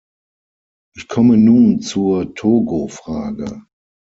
Ich komme nun zur Togo-Frage.